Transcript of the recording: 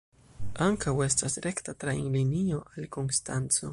Ankaŭ estas rekta trajnlinio al Konstanco.